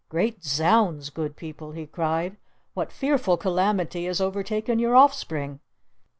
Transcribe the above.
"Great Zounds, Good People!" he cried. "What fearful calamity has overtaken your offspring?"